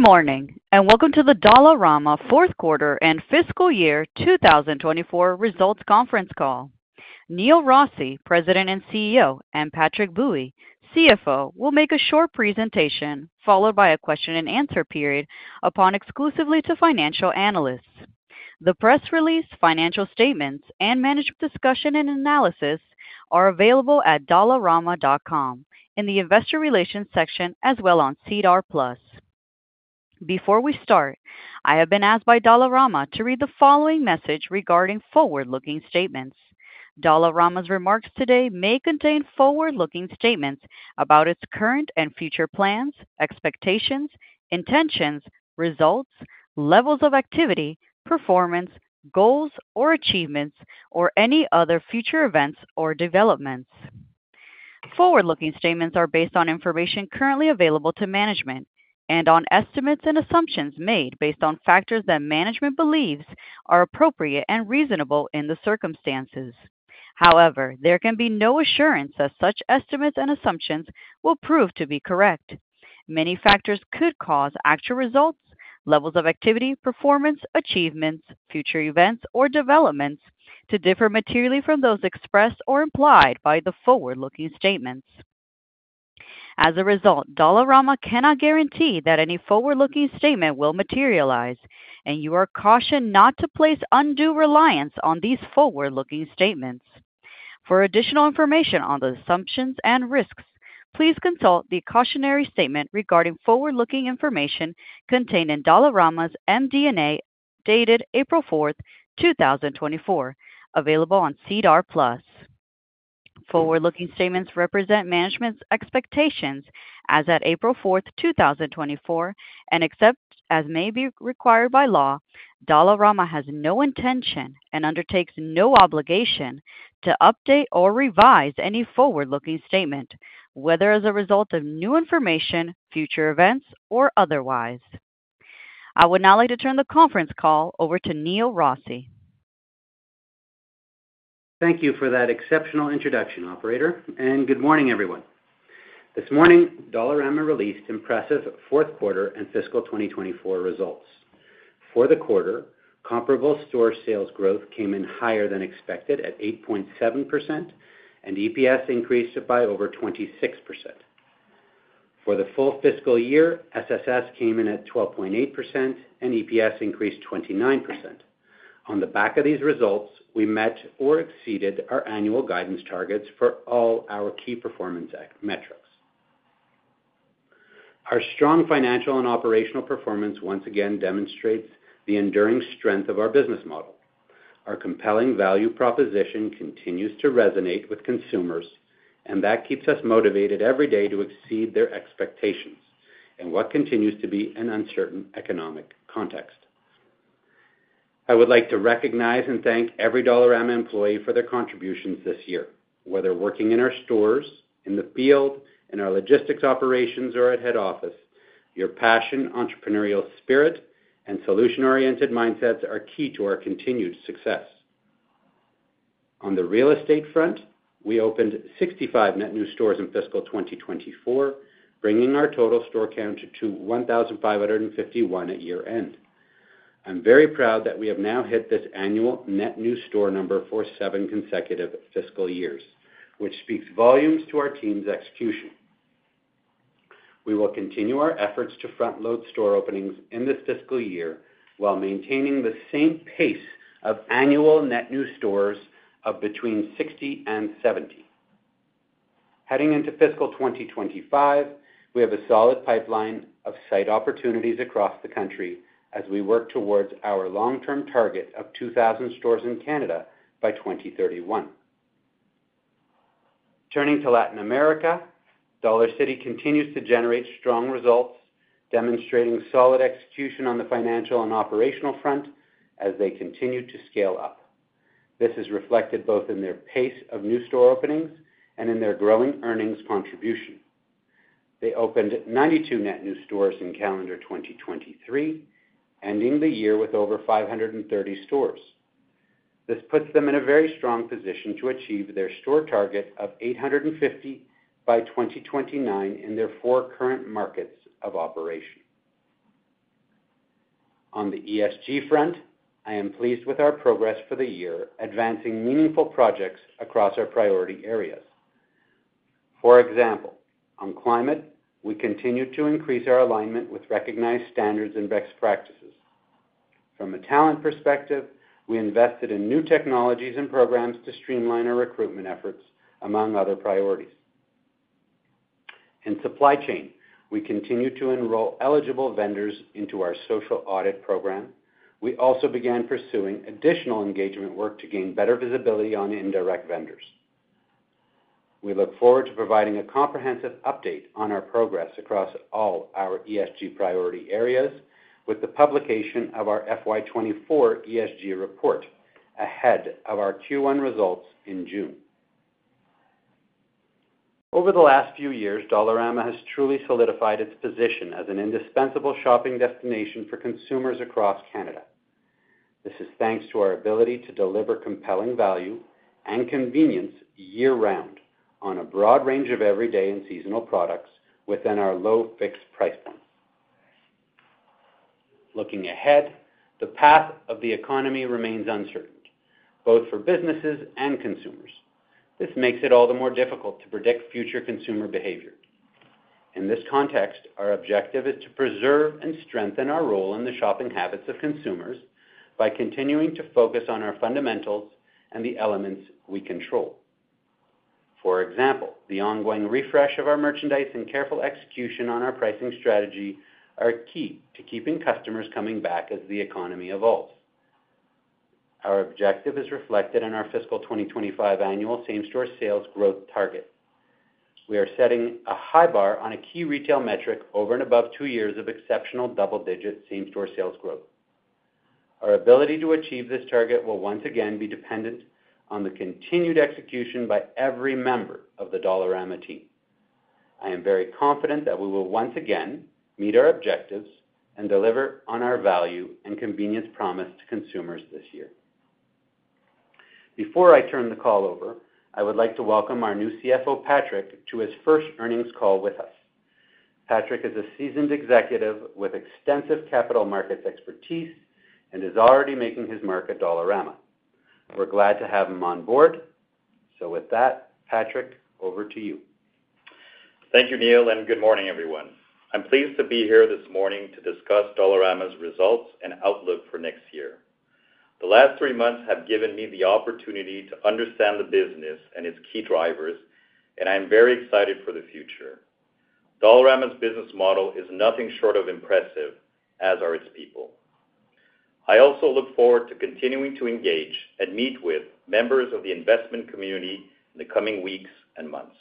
Good morning and welcome to the Dollarama fourth quarter and fiscal year 2024 results conference call. Neil Rossy, President and CEO, and Patrick Bui, CFO, will make a short presentation followed by a question-and-answer period upon exclusively to financial analysts. The press release, financial statements, and Management Discussion and Analysis are available at dollarama.com in the investor relations section as well on SEDAR+. Before we start, I have been asked by Dollarama to read the following message regarding forward-looking statements. Dollarama's remarks today may contain forward-looking statements about its current and future plans, expectations, intentions, results, levels of activity, performance, goals or achievements, or any other future events or developments. Forward-looking statements are based on information currently available to management and on estimates and assumptions made based on factors that management believes are appropriate and reasonable in the circumstances. However, there can be no assurance that such estimates and assumptions will prove to be correct. Many factors could cause actual results, levels of activity, performance, achievements, future events, or developments to differ materially from those expressed or implied by the forward-looking statements. As a result, Dollarama cannot guarantee that any forward-looking statement will materialize, and you are cautioned not to place undue reliance on these forward-looking statements. For additional information on the assumptions and risks, please consult the cautionary statement regarding forward-looking information contained in Dollarama's MD&A updated April 4, 2024, available on SEDAR+. Forward-looking statements represent management's expectations as at April 4, 2024, and except as may be required by law, Dollarama has no intention and undertakes no obligation to update or revise any forward-looking statement, whether as a result of new information, future events, or otherwise. I would now like to turn the conference call over to Neil Rossy. Thank you for that exceptional introduction, Operator, and good morning, everyone. This morning, Dollarama released impressive fourth quarter and fiscal 2024 results. For the quarter, comparable store sales growth came in higher than expected at 8.7%, and EPS increased by over 26%. For the full fiscal year, SSS came in at 12.8%, and EPS increased 29%. On the back of these results, we met or exceeded our annual guidance targets for all our key performance metrics. Our strong financial and operational performance once again demonstrates the enduring strength of our business model. Our compelling value proposition continues to resonate with consumers, and that keeps us motivated every day to exceed their expectations in what continues to be an uncertain economic context. I would like to recognize and thank every Dollarama employee for their contributions this year. Whether working in our stores, in the field, in our logistics operations, or at head office, your passion, entrepreneurial spirit, and solution-oriented mindsets are key to our continued success. On the real estate front, we opened 65 net new stores in fiscal 2024, bringing our total store count to 1,551 at year-end. I'm very proud that we have now hit this annual net new store number for seven consecutive fiscal years, which speaks volumes to our team's execution. We will continue our efforts to front-load store openings in this fiscal year while maintaining the same pace of annual net new stores of between 60 and 70. Heading into fiscal 2025, we have a solid pipeline of site opportunities across the country as we work towards our long-term target of 2,000 stores in Canada by 2031. Turning to Latin America, Dollarcity continues to generate strong results, demonstrating solid execution on the financial and operational front as they continue to scale up. This is reflected both in their pace of new store openings and in their growing earnings contribution. They opened 92 net new stores in calendar 2023, ending the year with over 530 stores. This puts them in a very strong position to achieve their store target of 850 by 2029 in their four current markets of operation. On the ESG front, I am pleased with our progress for the year, advancing meaningful projects across our priority areas. For example, on climate, we continue to increase our alignment with recognized standards and best practices. From a talent perspective, we invested in new technologies and programs to streamline our recruitment efforts, among other priorities. In supply chain, we continue to enroll eligible vendors into our social audit program. We also began pursuing additional engagement work to gain better visibility on indirect vendors. We look forward to providing a comprehensive update on our progress across all our ESG priority areas with the publication of our FY 2024 ESG report ahead of our Q1 results in June. Over the last few years, Dollarama has truly solidified its position as an indispensable shopping destination for consumers across Canada. This is thanks to our ability to deliver compelling value and convenience year-round on a broad range of everyday and seasonal products within our low fixed price points. Looking ahead, the path of the economy remains uncertain, both for businesses and consumers. This makes it all the more difficult to predict future consumer behavior. In this context, our objective is to preserve and strengthen our role in the shopping habits of consumers by continuing to focus on our fundamentals and the elements we control. For example, the ongoing refresh of our merchandise and careful execution on our pricing strategy are key to keeping customers coming back as the economy evolves. Our objective is reflected in our fiscal 2025 annual same-store sales growth target. We are setting a high bar on a key retail metric over and above two years of exceptional double-digit same-store sales growth. Our ability to achieve this target will once again be dependent on the continued execution by every member of the Dollarama team. I am very confident that we will once again meet our objectives and deliver on our value and convenience promise to consumers this year. Before I turn the call over, I would like to welcome our new CFO, Patrick, to his first earnings call with us. Patrick is a seasoned executive with extensive capital markets expertise and is already making his mark at Dollarama. We're glad to have him on board. With that, Patrick, over to you. Thank you, Neil, and good morning, everyone. I'm pleased to be here this morning to discuss Dollarama's results and outlook for next year. The last three months have given me the opportunity to understand the business and its key drivers, and I am very excited for the future. Dollarama's business model is nothing short of impressive, as are its people. I also look forward to continuing to engage and meet with members of the investment community in the coming weeks and months.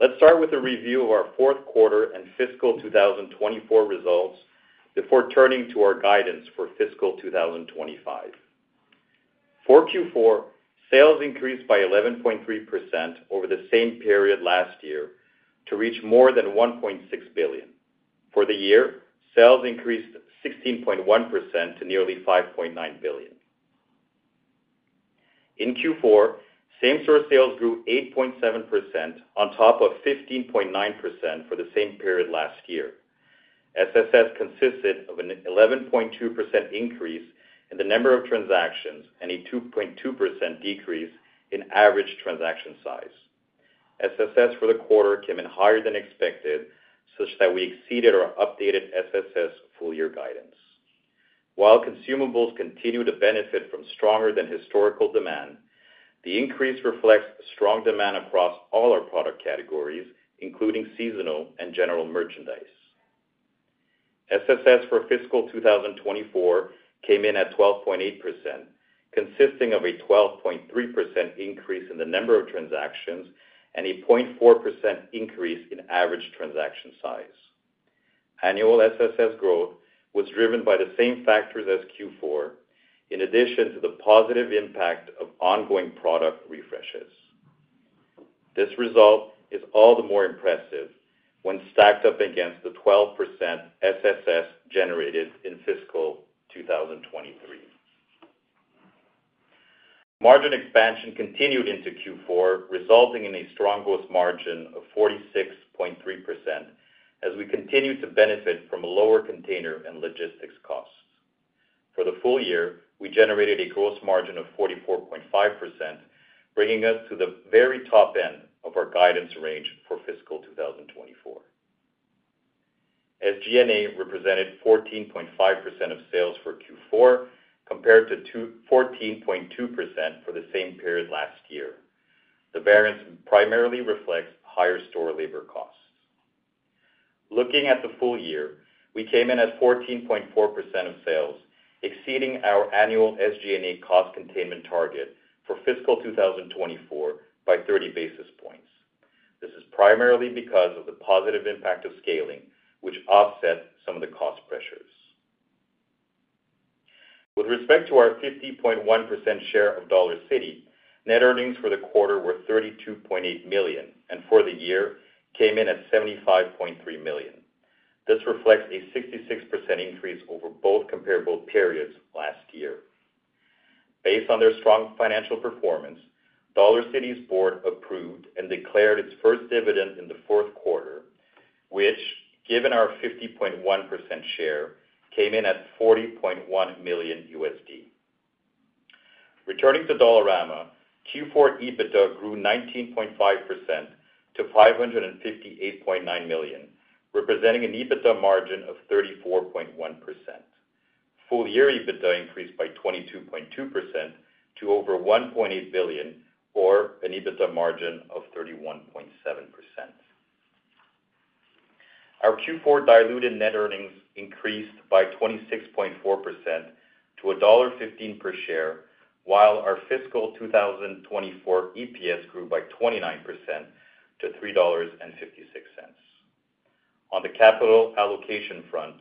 Let's start with a review of our fourth quarter and fiscal 2024 results before turning to our guidance for fiscal 2025. For Q4, sales increased by 11.3% over the same period last year to reach more than 1.6 billion. For the year, sales increased 16.1% to nearly 5.9 billion. In Q4, same-store sales grew 8.7% on top of 15.9% for the same period last year. SSS consisted of an 11.2% increase in the number of transactions and a 2.2% decrease in average transaction size. SSS for the quarter came in higher than expected such that we exceeded our updated SSS full-year guidance. While consumables continue to benefit from stronger-than-historical demand, the increase reflects strong demand across all our product categories, including seasonal and general merchandise. SSS for fiscal 2024 came in at 12.8%, consisting of a 12.3% increase in the number of transactions and a 0.4% increase in average transaction size. Annual SSS growth was driven by the same factors as Q4, in addition to the positive impact of ongoing product refreshes. This result is all the more impressive when stacked up against the 12% SSS generated in fiscal 2023. Margin expansion continued into Q4, resulting in a strong gross margin of 46.3% as we continue to benefit from lower container and logistics costs. For the full year, we generated a gross margin of 44.5%, bringing us to the very top end of our guidance range for fiscal 2024. As SG&A represented 14.5% of sales for Q4 compared to 14.2% for the same period last year, the variance primarily reflects higher store labor costs. Looking at the full year, we came in at 14.4% of sales, exceeding our annual SG&A cost containment target for fiscal 2024 by 30 basis points. This is primarily because of the positive impact of scaling, which offsets some of the cost pressures. With respect to our 50.1% share of Dollarcity, net earnings for the quarter were 32.8 million, and for the year, came in at 75.3 million. This reflects a 66% increase over both comparable periods last year. Based on their strong financial performance, Dollarcity's board approved and declared its first dividend in the fourth quarter, which, given our 50.1% share, came in at $40.1 million. Returning to Dollarama, Q4 EBITDA grew 19.5% to 558.9 million, representing an EBITDA margin of 34.1%. Full-year EBITDA increased by 22.2% to over 1.8 billion, or an EBITDA margin of 31.7%. Our Q4 diluted net earnings increased by 26.4% to dollar 1.15 per share, while our fiscal 2024 EPS grew by 29% to 3.56 dollars. On the capital allocation front,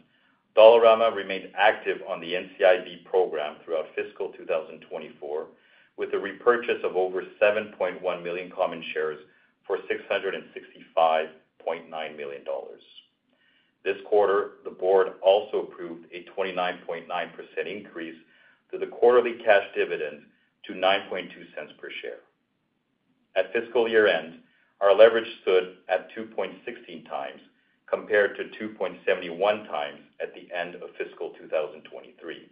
Dollarama remained active on the NCIB program throughout fiscal 2024, with a repurchase of over 7.1 million common shares for 665.9 million dollars. This quarter, the board also approved a 29.9% increase to the quarterly cash dividend to 0.09 per share. At fiscal year-end, our leverage stood at 2.16 times compared to 2.71 times at the end of fiscal 2023.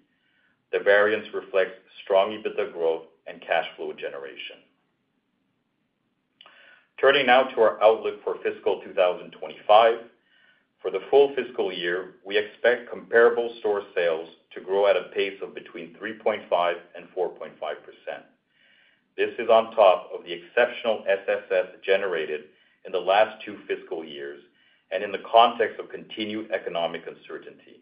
The variance reflects strong EBITDA growth and cash flow generation. Turning now to our outlook for fiscal 2025, for the full fiscal year, we expect comparable store sales to grow at a pace of between 3.5% and 4.5%. This is on top of the exceptional SSS generated in the last two fiscal years and in the context of continued economic uncertainty.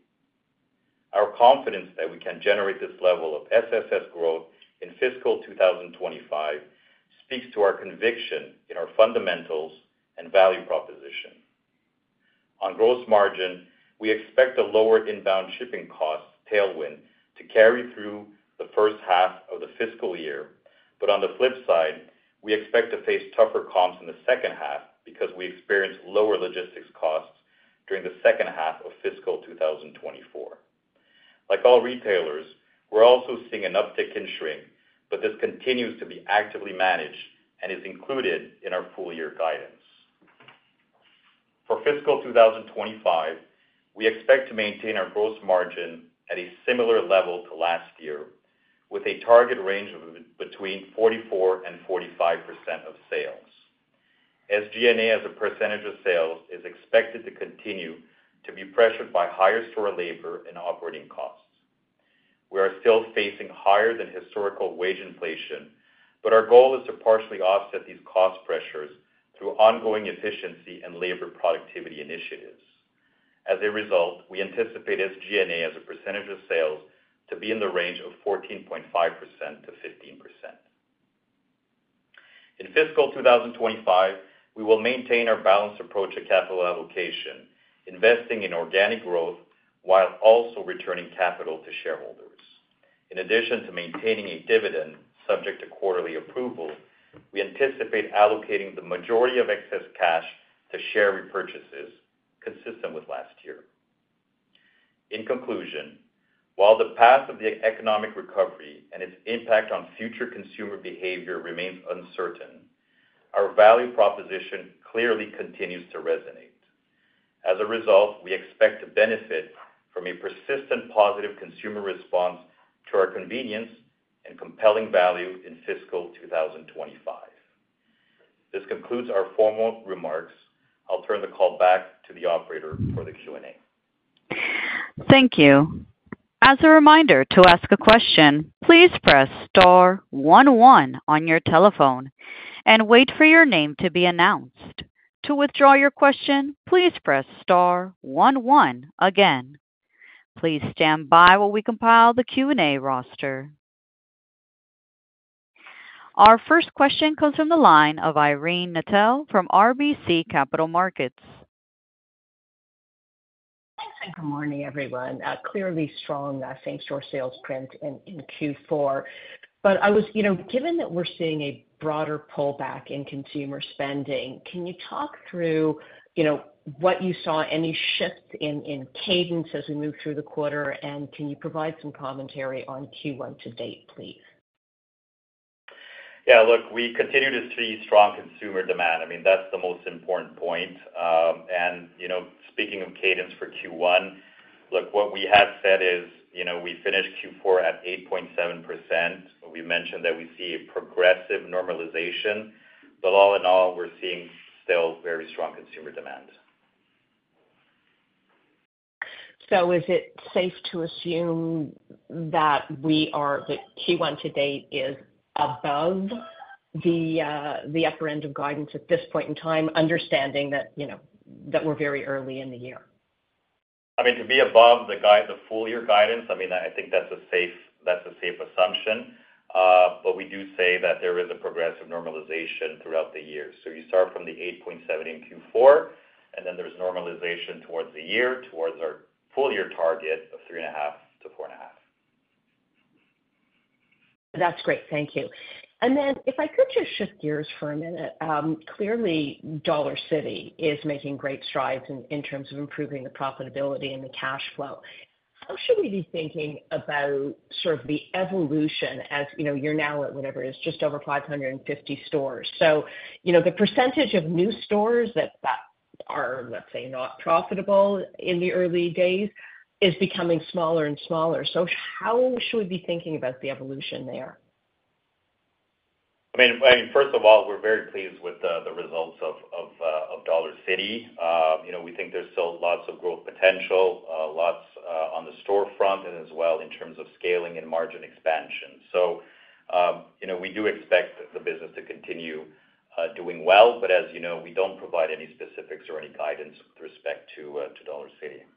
Our confidence that we can generate this level of SSS growth in fiscal 2025 speaks to our conviction in our fundamentals and value proposition. On gross margin, we expect a lower inbound shipping cost tailwind to carry through the first half of the fiscal year, but on the flip side, we expect to face tougher comps in the second half because we experience lower logistics costs during the second half of fiscal 2024. Like all retailers, we're also seeing an uptick in shrink, but this continues to be actively managed and is included in our full-year guidance. For fiscal 2025, we expect to maintain our gross margin at a similar level to last year, with a target range of between 44% and 45% of sales. As SG&A as a percentage of sales is expected to continue to be pressured by higher store labor and operating costs. We are still facing higher-than-historical wage inflation, but our goal is to partially offset these cost pressures through ongoing efficiency and labor productivity initiatives. As a result, we anticipate SG&A as a percentage of sales to be in the range of 14.5%-15%. In fiscal 2025, we will maintain our balanced approach to capital allocation, investing in organic growth while also returning capital to shareholders. In addition to maintaining a dividend subject to quarterly approval, we anticipate allocating the majority of excess cash to share repurchases, consistent with last year. In conclusion, while the path of the economic recovery and its impact on future consumer behavior remains uncertain, our value proposition clearly continues to resonate. As a result, we expect to benefit from a persistent positive consumer response to our convenience and compelling value in fiscal 2025. This concludes our formal remarks. I'll turn the call back to the operator for the Q&A. Thank you. As a reminder, to ask a question, please press star one one on your telephone and wait for your name to be announced. To withdraw your question, please press star one one again. Please stand by while we compile the Q&A roster. Our first question comes from the line of Irene Nattel from RBC Capital Markets. Thanks and good morning, everyone. Clearly strong same-store sales print in Q4. But given that we're seeing a broader pullback in consumer spending, can you talk through what you saw, any shifts in cadence as we move through the quarter, and can you provide some commentary on Q1 to date, please? Yeah. Look, we continued to see strong consumer demand. I mean, that's the most important point. Speaking of cadence for Q1, look, what we have said is we finished Q4 at 8.7%. We mentioned that we see a progressive normalization, but all in all, we're seeing still very strong consumer demand. Is it safe to assume that Q1 to date is above the upper end of guidance at this point in time, understanding that we're very early in the year? I mean, to be above the full-year guidance, I mean, I think that's a safe assumption. But we do say that there is a progressive normalization throughout the year. So you start from the 8.7 in Q4, and then there's normalization towards the year, towards our full-year target of 3.5-4.5. That's great. Thank you. Then if I could just shift gears for a minute, clearly, Dollarcity is making great strides in terms of improving the profitability and the cash flow. How should we be thinking about sort of the evolution as you're now at whatever is just over 550 stores? So the percentage of new stores that are, let's say, not profitable in the early days is becoming smaller and smaller. How should we be thinking about the evolution there? I mean, first of all, we're very pleased with the results of Dollarcity. We think there's still lots of growth potential, lots on the storefront, and as well in terms of scaling and margin expansion. So we do expect the business to continue doing well, but as you know, we don't provide any specifics or any guidance with respect to Dollarcity.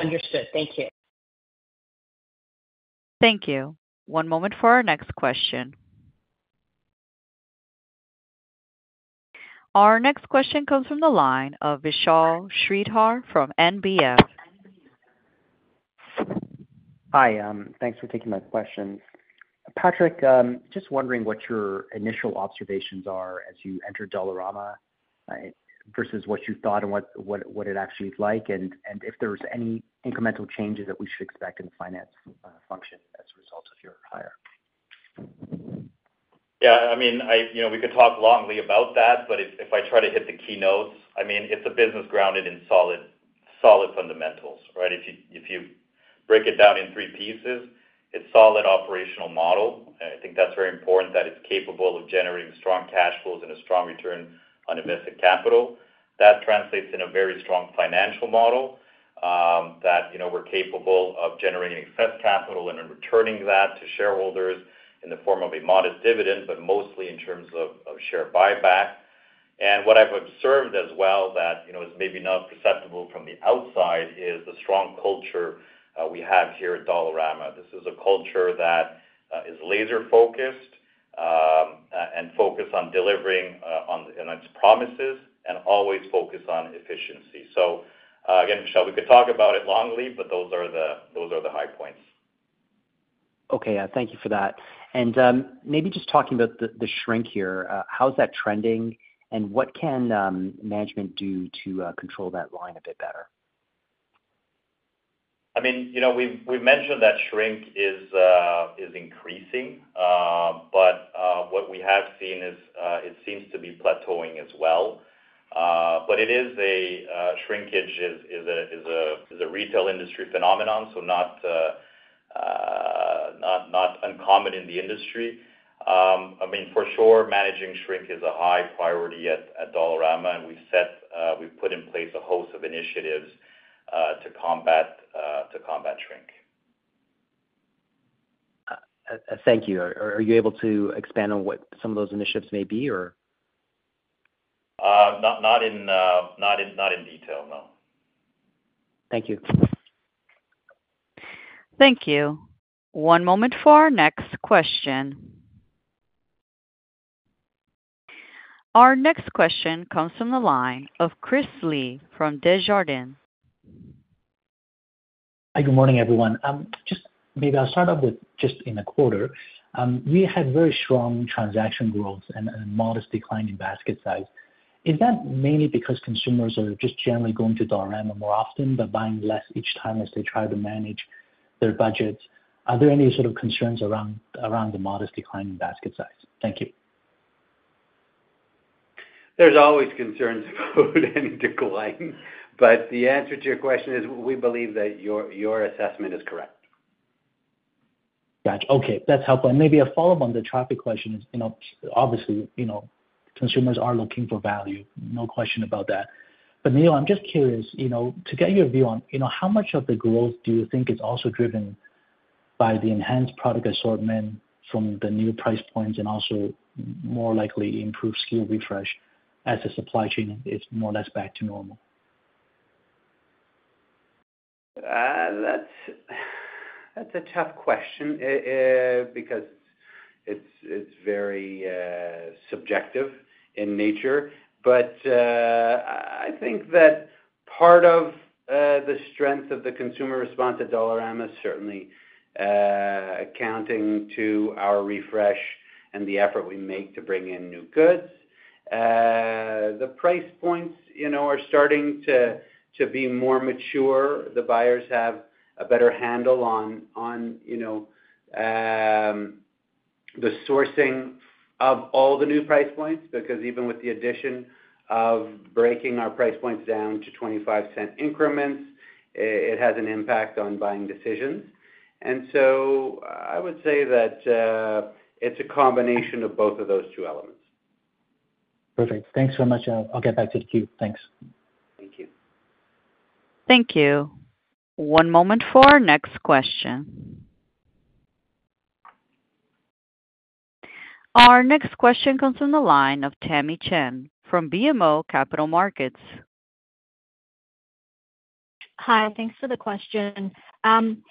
Understood. Thank you. Thank you. One moment for our next question. Our next question comes from the line of Vishal Shreedhar from NBF. Hi. Thanks for taking my questions. Patrick, just wondering what your initial observations are as you entered Dollarama versus what you thought and what it actually is like, and if there's any incremental changes that we should expect in the finance function as a result of your hire? Yeah. I mean, we could talk at length about that, but if I try to hit the key notes, I mean, it's a business grounded in solid fundamentals, right? If you break it down in three pieces, it's solid operational model. I think that's very important that it's capable of generating strong cash flows and a strong return on invested capital. That translates into a very strong financial model, that we're capable of generating excess capital and then returning that to shareholders in the form of a modest dividend, but mostly in terms of share buyback. What I've observed as well, that is maybe not perceptible from the outside, is the strong culture we have here at Dollarama. This is a culture that is laser-focused and focused on delivering on its promises and always focused on efficiency. So again, Vishal, we could talk about it longly, but those are the high points. Okay. Yeah. Thank you for that. Maybe just talking about the shrink here, how's that trending, and what can management do to control that line a bit better? I mean, we've mentioned that shrink is increasing, but what we have seen is it seems to be plateauing as well. But shrinkage is a retail industry phenomenon, so not uncommon in the industry. I mean, for sure, managing shrink is a high priority at Dollarama, and we've put in place a host of initiatives to combat shrink. Thank you. Are you able to expand on what some of those initiatives may be, or? Not in detail, no. Thank you. Thank you. One moment for our next question. Our next question comes from the line of Chris Li from Desjardins. Hi. Good morning, everyone. Maybe I'll start off with just in the quarter. We had very strong transaction growth and a modest decline in basket size. Is that mainly because consumers are just generally going to Dollarama more often but buying less each time as they try to manage their budgets? Are there any sort of concerns around the modest decline in basket size? Thank you. There's always concerns about any decline, but the answer to your question is we believe that your assessment is correct. Gotcha. Okay. That's helpful. Maybe a follow-up on the traffic question is obviously, consumers are looking for value. No question about that. But Neil, I'm just curious, to get your view on how much of the growth do you think is also driven by the enhanced product assortment from the new price points and also more likely improved SKU refresh as the supply chain is more or less back to normal? That's a tough question because it's very subjective in nature. But I think that part of the strength of the consumer response at Dollarama is certainly accounting to our refresh and the effort we make to bring in new goods. The price points are starting to be more mature. The buyers have a better handle on the sourcing of all the new price points because even with the addition of breaking our price points down to 0.25 increments, it has an impact on buying decisions. And so I would say that it's a combination of both of those two elements. Perfect. Thanks very much. I'll get back to the queue. Thanks. Thank you. Thank you. One moment for our next question. Our next question comes from the line of Tamy Chen from BMO Capital Markets. Hi. Thanks for the question. On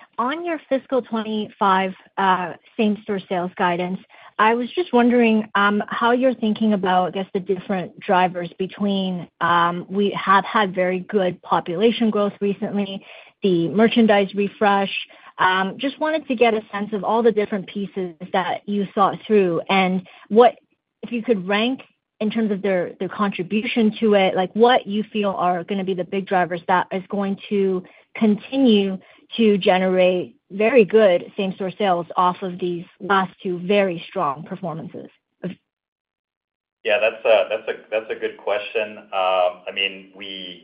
your fiscal 2025 same-store sales guidance, I was just wondering how you're thinking about, I guess, the different drivers between we have had very good population growth recently, the merchandise refresh. Just wanted to get a sense of all the different pieces that you thought through and if you could rank in terms of their contribution to it, what you feel are going to be the big drivers that is going to continue to generate very good same-store sales off of these last two very strong performances. Yeah. That's a good question. I mean, we're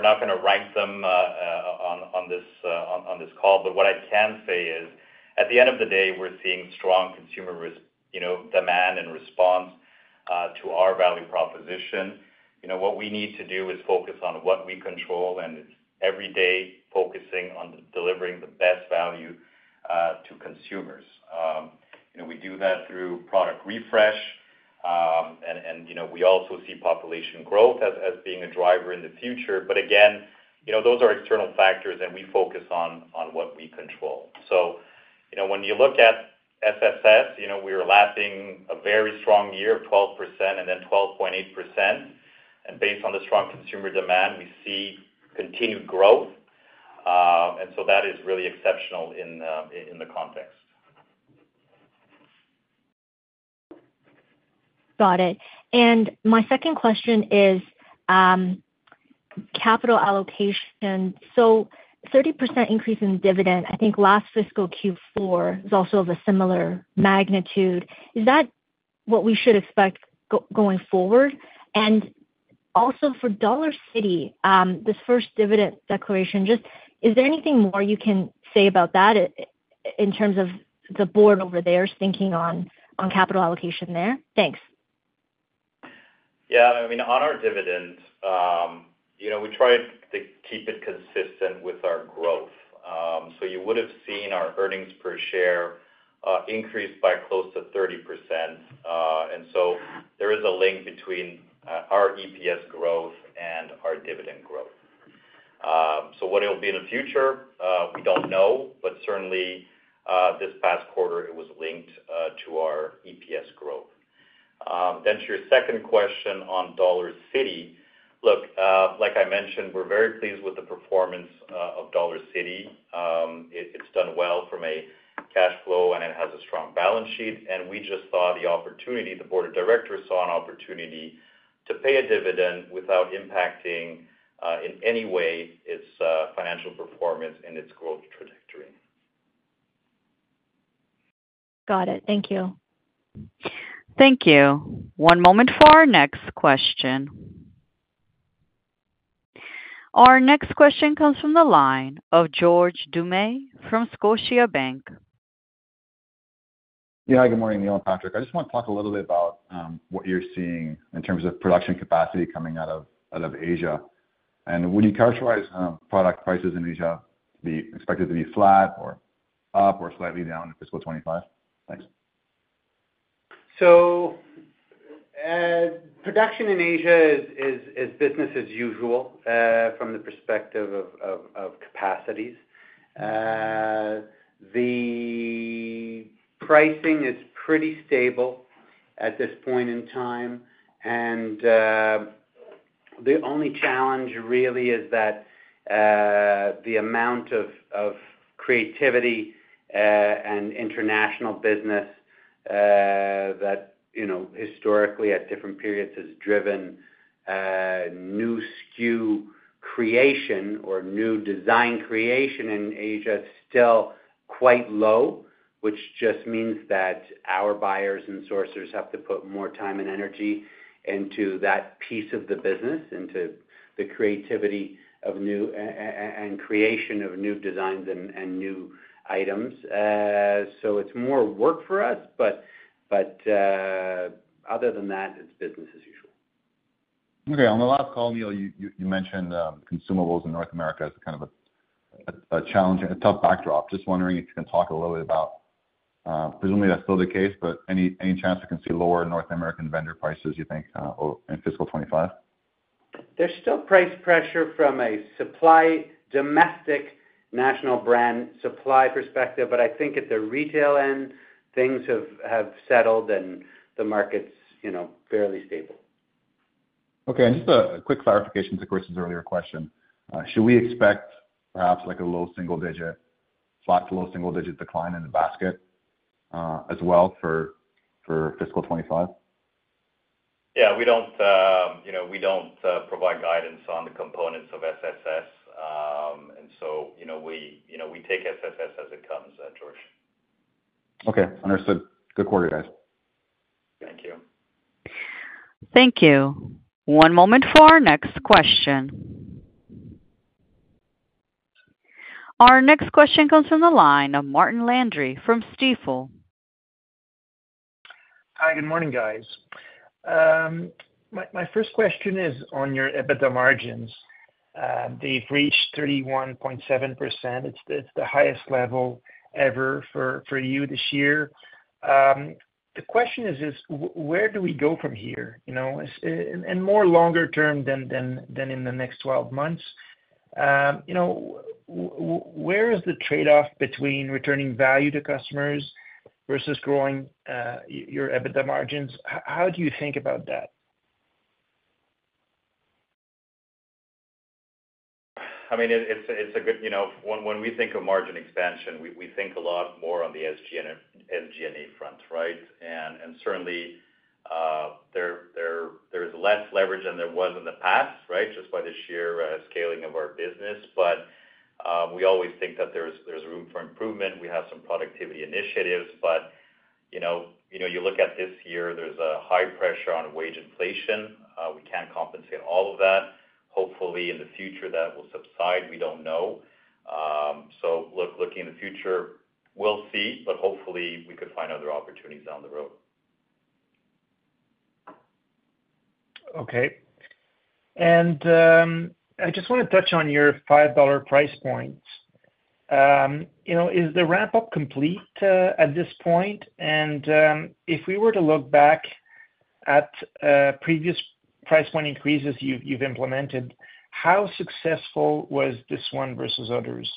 not going to rank them on this call, but what I can say is at the end of the day, we're seeing strong consumer demand and response to our value proposition. What we need to do is focus on what we control, and it's every day focusing on delivering the best value to consumers. We do that through product refresh, and we also see population growth as being a driver in the future. But again, those are external factors, and we focus on what we control. So when you look at SSS, we're lapping a very strong year of 12% and then 12.8%. And based on the strong consumer demand, we see continued growth. And so that is really exceptional in the context. Got it. And my second question is capital allocation. So 30% increase in dividend, I think last fiscal Q4 is also of a similar magnitude. Is that what we should expect going forward? And also for Dollarcity, this first dividend declaration, is there anything more you can say about that in terms of the board over there is thinking on capital allocation there? Thanks. Yeah. I mean, on our dividends, we tried to keep it consistent with our growth. So you would have seen our earnings per share increase by close to 30%. And so there is a link between our EPS growth and our dividend growth. So what it'll be in the future, we don't know, but certainly, this past quarter, it was linked to our EPS growth. Then to your second question on Dollarcity, look, like I mentioned, we're very pleased with the performance of Dollarcity. It's done well from a cash flow, and it has a strong balance sheet. And we just saw the opportunity, the board of directors saw an opportunity to pay a dividend without impacting in any way its financial performance and its growth trajectory. Got it. Thank you. Thank you. One moment for our next question. Our next question comes from the line of George Doumet from Scotiabank. Yeah. Hi. Good morning, Neil and Patrick. I just want to talk a little bit about what you're seeing in terms of production capacity coming out of Asia. Would you characterize product prices in Asia to be expected to be flat or up or slightly down in fiscal 2025? Thanks. Production in Asia is business as usual from the perspective of capacities. The pricing is pretty stable at this point in time. The only challenge really is that the amount of creativity and international business that historically, at different periods, has driven new SKU creation or new design creation in Asia is still quite low, which just means that our buyers and sourcers have to put more time and energy into that piece of the business, into the creativity and creation of new designs and new items. It's more work for us, but other than that, it's business as usual. Okay. On the last call, Neil, you mentioned consumables in North America as kind of a challenge, a tough backdrop. Just wondering if you can talk a little bit about presumably, that's still the case, but any chance we can see lower North American vendor prices, you think, in fiscal 2025? There's still price pressure from a domestic national brand supply perspective, but I think at the retail end, things have settled, and the market's fairly stable. Okay. Just a quick clarification to Chris's earlier question. Should we expect perhaps a low single-digit, flat to low single-digit decline in the basket as well for fiscal 2025? Yeah. We don't provide guidance on the components of SSS. And so we take SSS as it comes, George. Okay. Understood. Good quarter, guys. Thank you. Thank you. One moment for our next question. Our next question comes from the line of Martin Landry from Stifel. Hi. Good morning, guys. My first question is on your EBITDA margins. They've reached 31.7%. It's the highest level ever for you this year. The question is, where do we go from here? And more longer-term than in the next 12 months, where is the trade-off between returning value to customers versus growing your EBITDA margins? How do you think about that? I mean, it's a good when we think of margin expansion, we think a lot more on the SG&A front, right? And certainly, there is less leverage than there was in the past, right, just by this year scaling of our business. But we always think that there's room for improvement. We have some productivity initiatives. But you look at this year, there's a high pressure on wage inflation. We can't compensate all of that. Hopefully, in the future, that will subside. We don't know. So look, looking in the future, we'll see, but hopefully, we could find other opportunities down the road. Okay. I just want to touch on your 5 dollar price points. Is the ramp-up complete at this point? If we were to look back at previous price point increases you've implemented, how successful was this one versus others?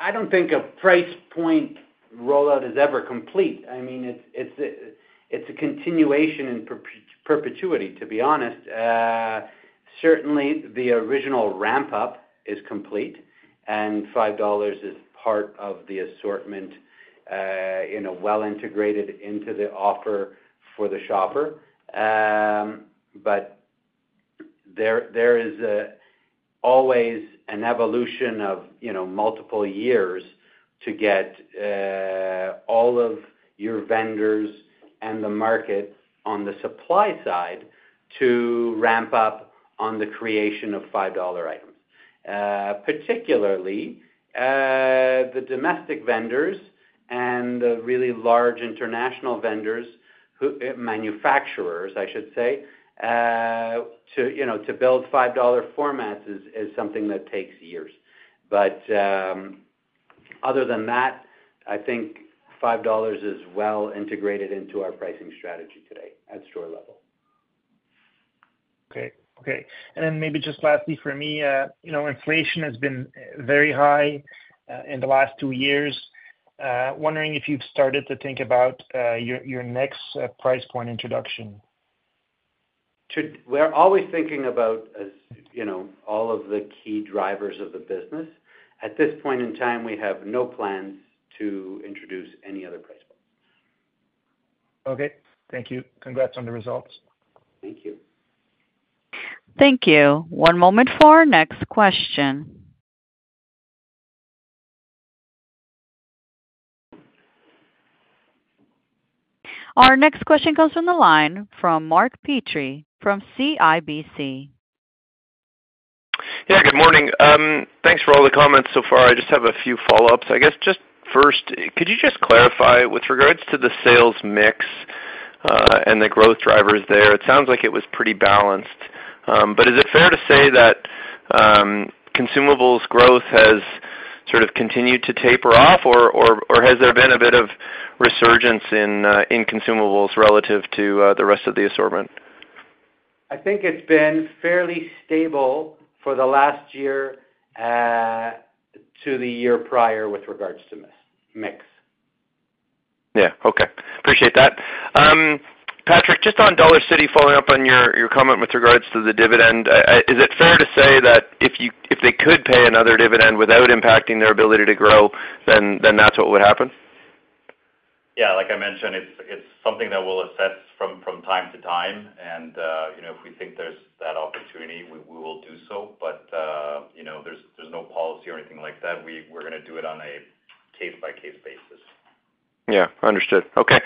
I don't think a price point rollout is ever complete. I mean, it's a continuation in perpetuity, to be honest. Certainly, the original ramp-up is complete, and 5 dollars is part of the assortment well integrated into the offer for the shopper. But there is always an evolution of multiple years to get all of your vendors and the market on the supply side to ramp up on the creation of 5 dollar items, particularly the domestic vendors and the really large international vendors, manufacturers, I should say, to build 5 dollar formats is something that takes years. But other than that, I think 5 dollars is well integrated into our pricing strategy today at store level. Okay. Okay. And then maybe just lastly for me, inflation has been very high in the last two years. Wondering if you've started to think about your next price point introduction? We're always thinking about all of the key drivers of the business. At this point in time, we have no plans to introduce any other price points. Okay. Thank you. Congrats on the results. Thank you. Thank you. One moment for our next question. Our next question comes from the line from Mark Petrie from CIBC. Yeah. Good morning. Thanks for all the comments so far. I just have a few follow-ups. I guess just first, could you just clarify with regards to the sales mix and the growth drivers there? It sounds like it was pretty balanced. But is it fair to say that consumables growth has sort of continued to taper off, or has there been a bit of resurgence in consumables relative to the rest of the assortment? I think it's been fairly stable for the last year to the year prior with regards to mix. Yeah. Okay. Appreciate that. Patrick, just on Dollarcity following up on your comment with regards to the dividend, is it fair to say that if they could pay another dividend without impacting their ability to grow, then that's what would happen? Yeah. Like I mentioned, it's something that we'll assess from time to time. And if we think there's that opportunity, we will do so. But there's no policy or anything like that. We're going to do it on a case-by-case basis. Yeah. Understood. Okay.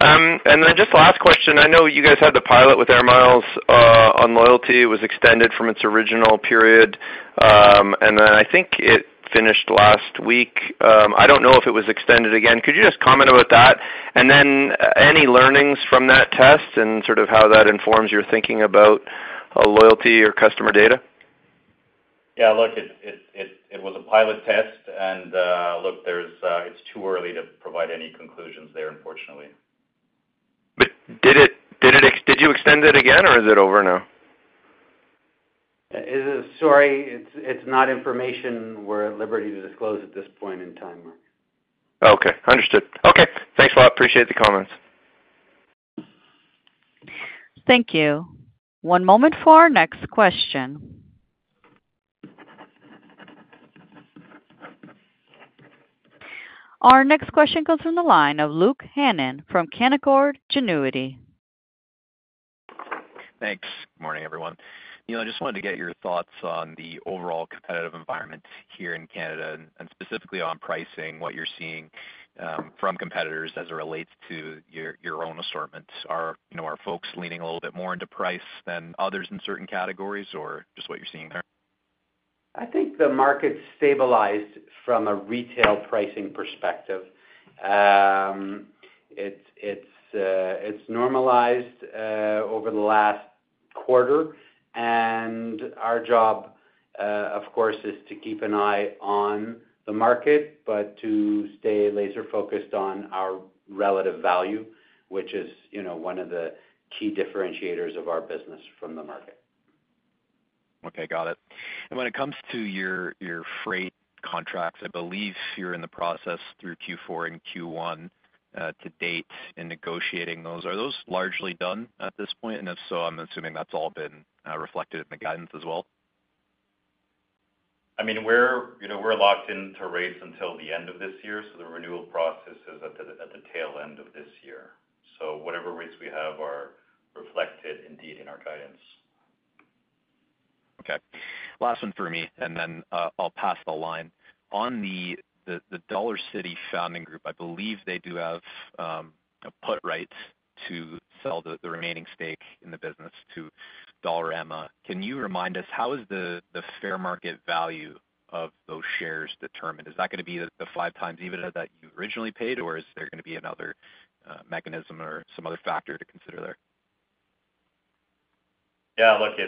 And then just the last question. I know you guys had the pilot with AIR MILES on loyalty. It was extended from its original period, and then I think it finished last week. I don't know if it was extended again. Could you just comment about that and then any learnings from that test and sort of how that informs your thinking about loyalty or customer data? Yeah. Look, it was a pilot test. And look, it's too early to provide any conclusions there, unfortunately. Did you extend it again, or is it over now? Sorry. It's not information. We're at liberty to disclose at this point in time, Mark. Okay. Understood. Okay. Thanks a lot. Appreciate the comments. Thank you. One moment for our next question. Our next question comes from the line of Luke Hannan from Canaccord Genuity. Thanks. Good morning, everyone. Neil, I just wanted to get your thoughts on the overall competitive environment here in Canada and specifically on pricing, what you're seeing from competitors as it relates to your own assortment. Are our folks leaning a little bit more into price than others in certain categories, or just what you're seeing there? I think the market's stabilized from a retail pricing perspective. It's normalized over the last quarter. And our job, of course, is to keep an eye on the market but to stay laser-focused on our relative value, which is one of the key differentiators of our business from the market. Okay. Got it. And when it comes to your freight contracts, I believe you're in the process through Q4 and Q1 to date in negotiating those. Are those largely done at this point? And if so, I'm assuming that's all been reflected in the guidance as well. I mean, we're locked into rates until the end of this year, so the renewal process is at the tail end of this year. So whatever rates we have are reflected indeed in our guidance. Okay. Last one for me, and then I'll pass the line. On the Dollarcity founding group, I believe they do have a put right to sell the remaining stake in the business to Dollarama. Can you remind us, how is the fair market value of those shares determined? Is that going to be the 5x EBITDA that you originally paid, or is there going to be another mechanism or some other factor to consider there? Yeah. Look,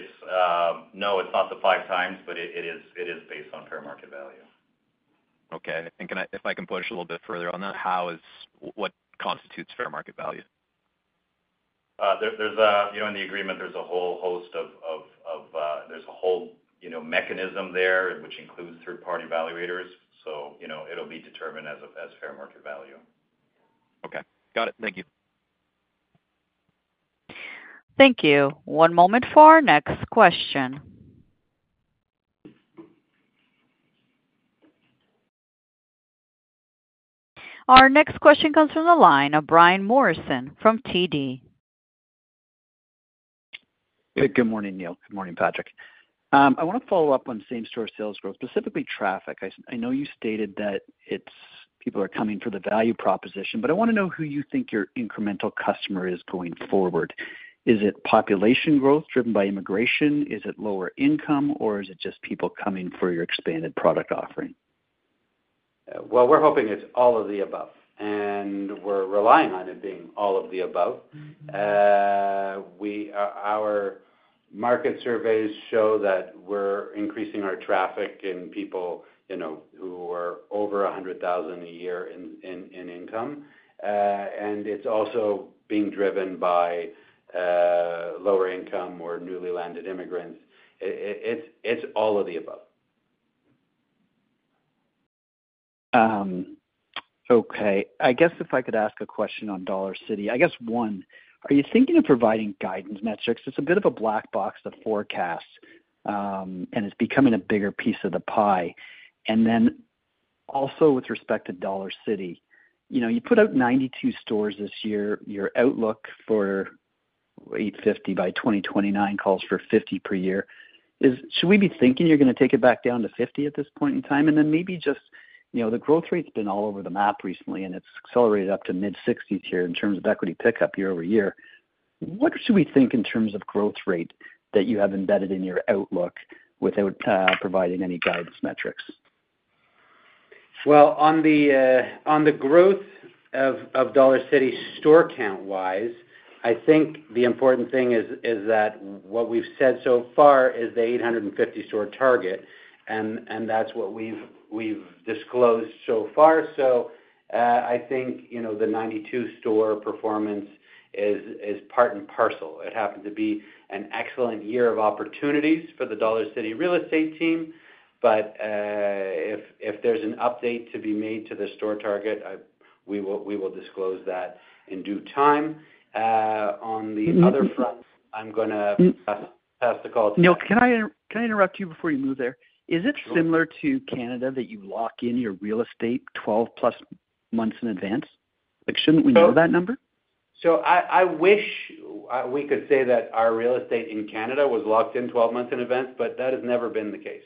no, it's not 5x, but it is based on fair market value. Okay. If I can push a little bit further on that, what constitutes fair market value? In the agreement, there's a whole mechanism there, which includes third-party valuators. So it'll be determined as fair market value. Okay. Got it. Thank you. Thank you. One moment for our next question. Our next question comes from the line of Brian Morrison from TD. Good morning, Neil. Good morning, Patrick. I want to follow up on same-store sales growth, specifically traffic. I know you stated that people are coming for the value proposition, but I want to know who you think your incremental customer is going forward. Is it population growth driven by immigration? Is it lower income, or is it just people coming for your expanded product offering? Well, we're hoping it's all of the above, and we're relying on it being all of the above. Our market surveys show that we're increasing our traffic in people who are over 100,000 a year in income. It's also being driven by lower income or newly landed immigrants. It's all of the above. Okay. I guess if I could ask a question on Dollarcity, I guess one, are you thinking of providing guidance metrics? It's a bit of a black box to forecast, and it's becoming a bigger piece of the pie. And then also with respect to Dollarcity, you put out 92 stores this year. Your outlook for 850 by 2029 calls for 50 per year. Should we be thinking you're going to take it back down to 50 at this point in time? And then maybe just the growth rate's been all over the map recently, and it's accelerated up to mid-60s here in terms of equity pickup year-over-year. What should we think in terms of growth rate that you have embedded in your outlook without providing any guidance metrics? Well, on the growth of Dollarcity store count-wise, I think the important thing is that what we've said so far is the 850-store target, and that's what we've disclosed so far. So I think the 92-store performance is part and parcel. It happened to be an excellent year of opportunities for the Dollarcity real estate team. But if there's an update to be made to the store target, we will disclose that in due time. On the other front, I'm going to pass the call to you. Neil, can I interrupt you before you move there? Is it similar to Canada that you lock in your real estate 12+ months in advance? Shouldn't we know that number? So I wish we could say that our real estate in Canada was locked in 12 months in advance, but that has never been the case.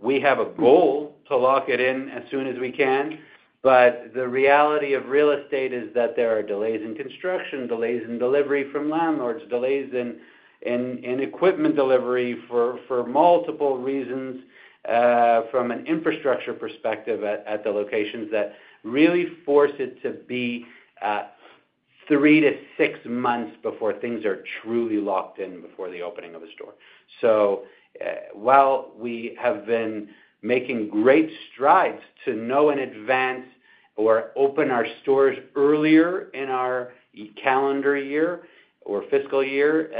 We have a goal to lock it in as soon as we can. But the reality of real estate is that there are delays in construction, delays in delivery from landlords, delays in equipment delivery for multiple reasons from an infrastructure perspective at the locations that really force it to be three to six months before things are truly locked in before the opening of a store. So while we have been making great strides to know in advance or open our stores earlier in our calendar year or fiscal year,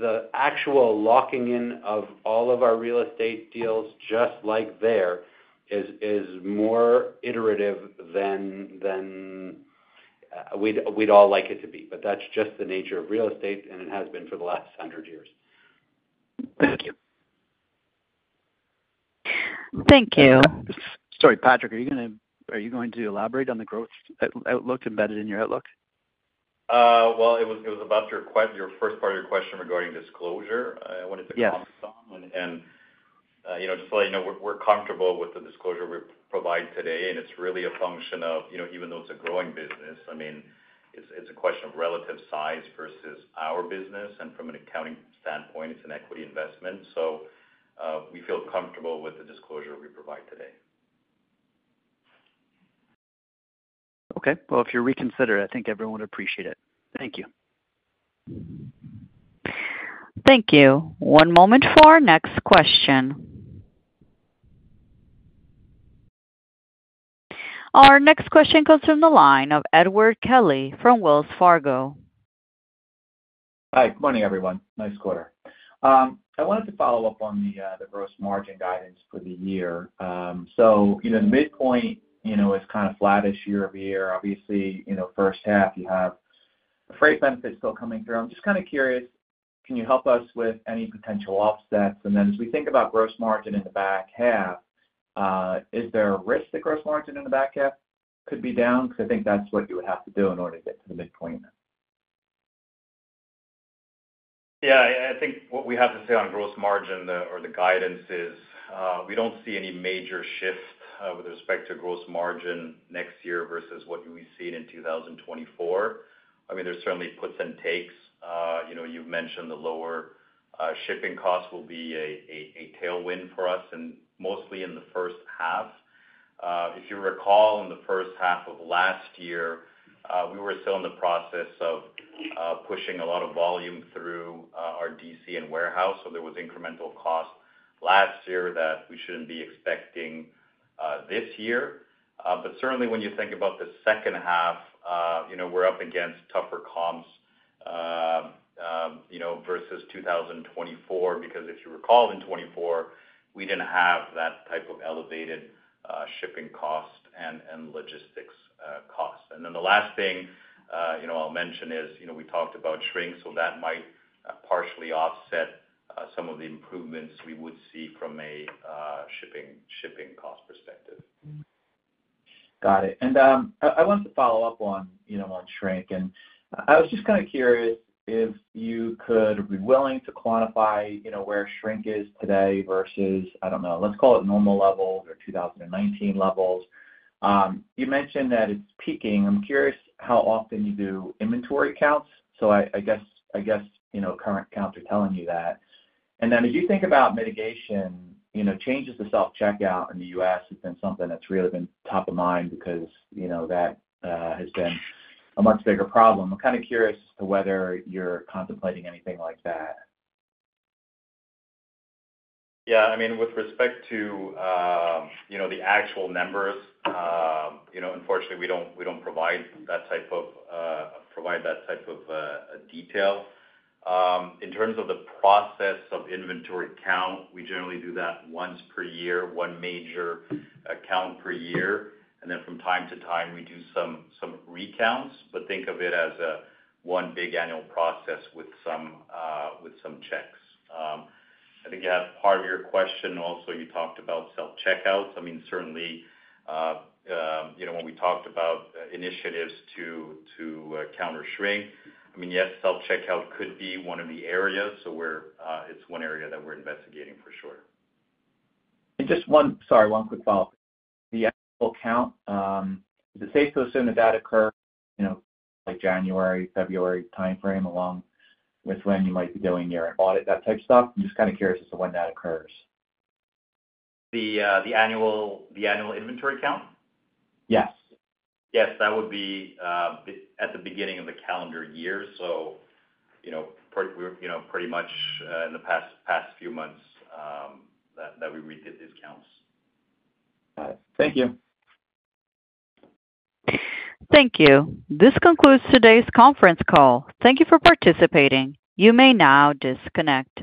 the actual locking in of all of our real estate deals just like there is more iterative than we'd all like it to be. That's just the nature of real estate, and it has been for the last 100 years. Thank you. Thank you. Sorry, Patrick. Are you going to elaborate on the growth outlook embedded in your outlook? Well, it was about your first part of your question regarding disclosure. I wanted to comment on. Just to let you know, we're comfortable with the disclosure we provide today, and it's really a function of even though it's a growing business. I mean, it's a question of relative size versus our business. From an accounting standpoint, it's an equity investment. So we feel comfortable with the disclosure we provide today. Okay. Well, if you reconsider it, I think everyone would appreciate it. Thank you. Thank you. One moment for our next question. Our next question comes from the line of Edward Kelly from Wells Fargo. Hi. Good morning, everyone. Nice quarter. I wanted to follow up on the gross margin guidance for the year. So the midpoint is kind of flat this year-over-year. Obviously, first half, you have freight benefits still coming through. I'm just kind of curious, can you help us with any potential offsets? And then as we think about gross margin in the back half, is there a risk that gross margin in the back half could be down? Because I think that's what you would have to do in order to get to the midpoint. Yeah. I think what we have to say on gross margin or the guidance is we don't see any major shift with respect to gross margin next year versus what we've seen in 2024. I mean, there's certainly puts and takes. You've mentioned the lower shipping costs will be a tailwind for us and mostly in the first half. If you recall, in the first half of last year, we were still in the process of pushing a lot of volume through our DC and warehouse. So there was incremental cost last year that we shouldn't be expecting this year. But certainly, when you think about the second half, we're up against tougher comps versus 2024 because if you recall, in 2024, we didn't have that type of elevated shipping cost and logistics costs. And then the last thing I'll mention is we talked about shrinks, so that might partially offset some of the improvements we would see from a shipping cost perspective. Got it. And I wanted to follow up on shrink. I was just kind of curious if you could be willing to quantify where shrink is today versus, I don't know, let's call it normal levels or 2019 levels. You mentioned that it's peaking. I'm curious how often you do inventory counts. So I guess current counts are telling you that. And then as you think about mitigation, changes to self-checkout in the U.S. has been something that's really been top of mind because that has been a much bigger problem. I'm kind of curious as to whether you're contemplating anything like that. Yeah. I mean, with respect to the actual numbers, unfortunately, we don't provide that type of detail. In terms of the process of inventory count, we generally do that once per year, one major count per year. Then from time to time, we do some recounts, but think of it as one big annual process with some checks. I think you have part of your question also. You talked about self-checkouts. I mean, certainly, when we talked about initiatives to counter shrink, I mean, yes, self-checkout could be one of the areas. So it's one area that we're investigating for sure. And just one sorry, one quick follow-up. The actual count, is it safe to assume that that occurs in a January, February timeframe along with when you might be doing your audit, that type of stuff? I'm just kind of curious as to when that occurs. The annual inventory count? Yes. Yes, that would be at the beginning of the calendar year. So pretty much in the past few months that we redid these counts. Got it. Thank you. Thank you. This concludes today's conference call. Thank you for participating. You may now disconnect.